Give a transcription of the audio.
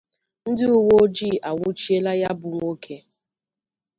ndị uweojii anwụchiela ya bụ nwoke